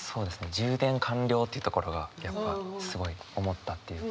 「充電完了」っていうところがやっぱすごい思ったっていうか。